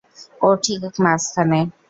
ও ঠিক মাঝখানে।